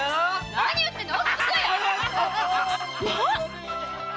何言ってんの！